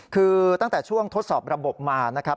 คือตั้งแต่ช่วงทดสอบระบบมานะครับ